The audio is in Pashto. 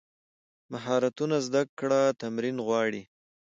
مهارتونه زده کړه تمرین غواړي.